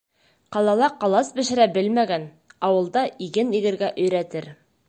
Ҡалала ҡалас бешерә белмәгән, ауылда иген игергә өйрәтер.